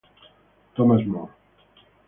Thomas More.